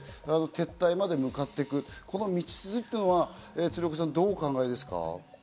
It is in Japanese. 撤退まで向かっていく、この道筋というのは鶴岡さん、どうお考えですか？